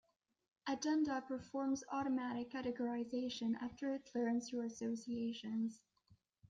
Agenda performs automatic categorization after it learns your associations.